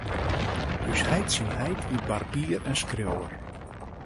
Us heit syn heit wie barbier en skriuwer.